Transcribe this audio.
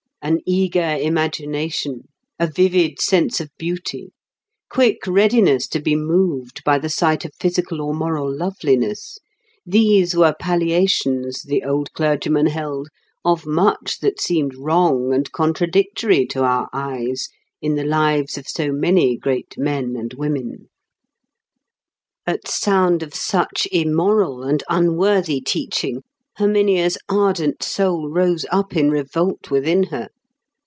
An eager imagination—a vivid sense of beauty—quick readiness to be moved by the sight of physical or moral loveliness—these were palliations, the old clergyman held, of much that seemed wrong and contradictory to our eyes in the lives of so many great men and women. At sound of such immoral and unworthy teaching, Herminia's ardent soul rose up in revolt within her.